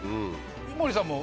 井森さんも。